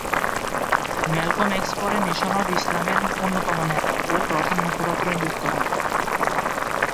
Malcolm X পরে nation of ইসলামের অন্যতম নেতা ও প্রধান মুখপাত্র নিযুক্ত হন।